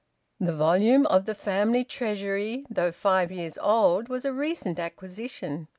The volume of "The Family Treasury," though five years old, was a recent acquisition.